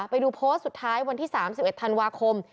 ไปดูโพสต์สุดท้ายวันที่๓๑ธันวาคม